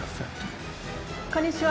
こんにちは。